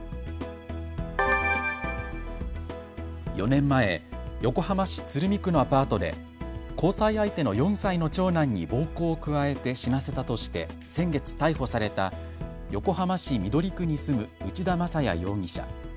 ４年前、横浜市鶴見区のアパートで交際相手の４歳の長男に暴行を加えて死なせたとして先月、逮捕された横浜市緑区に住む内田正也容疑者。